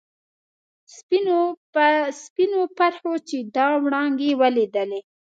سپینو پرخو چې دا وړانګې ولیدلي.